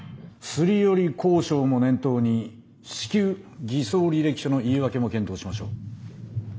擦り寄り交渉も念頭に至急偽装履歴書の言い訳も検討しましょう。